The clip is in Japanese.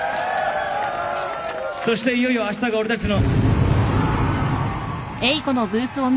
そしていよいよあしたが俺たちの。